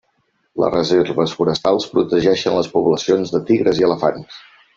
Les reserves forestals protegeixen les poblacions de tigres i elefants.